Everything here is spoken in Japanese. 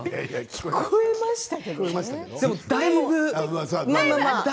聞こえましたけどね。